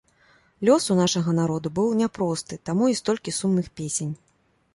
Лёс у нашага народа быў няпросты, таму і столькі сумных песень.